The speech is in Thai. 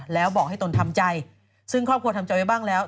แล้วบอกให้ตนทำใจซึ่งครอบครัวทำใจไว้บ้างแล้ว